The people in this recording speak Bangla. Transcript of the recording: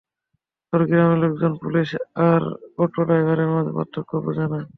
তোর গ্রামের লোকজন পুলিশ আর অটো ড্রাইভারের মাঝে পার্থক্য বোঝে না?